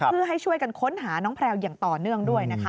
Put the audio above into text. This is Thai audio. เพื่อให้ช่วยกันค้นหาน้องแพลวอย่างต่อเนื่องด้วยนะคะ